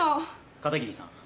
片桐さん。